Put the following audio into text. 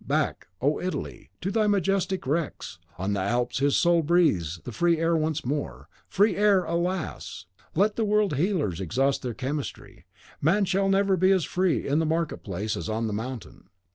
Back, O Italy, to thy majestic wrecks! On the Alps his soul breathes the free air once more. Free air! Alas! let the world healers exhaust their chemistry; man never shall be as free in the marketplace as on the mountain.